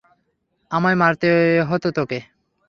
আমায় মারতে হতো তোকে!